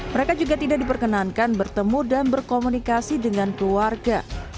mereka juga tidak diperkenankan bertemu dan berkomunikasi dengan keluarga